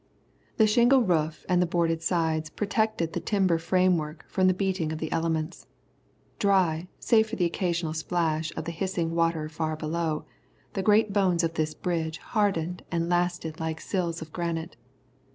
The shingle roof and the boarded sides protected the timber framework from the beating of the elements. Dry, save for the occasional splash of the hissing water far below, the great bones of this bridge hardened and lasted like sills of granite.